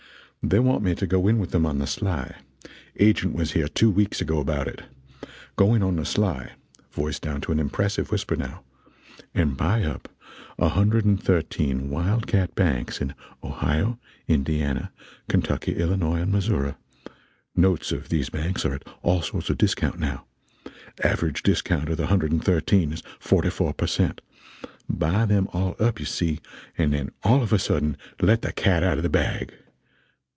They want me to go in with them on the sly agent was here two weeks ago about it go in on the sly" [voice down to an impressive whisper, now,] "and buy up a hundred and thirteen wild cat banks in Ohio, Indiana, Kentucky, Illinois and Missouri notes of these banks are at all sorts of discount now average discount of the hundred and thirteen is forty four per cent buy them all up, you see, and then all of a sudden let the cat out of the bag!